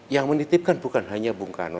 yang menitipkan bukan hanya bung karno